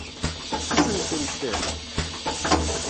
Ad sen-tent-tefk?